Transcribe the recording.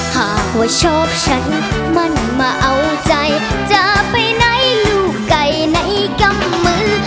หากว่าชอบฉันมันมาเอาใจจะไปไหนลูกไก่ในกำมือ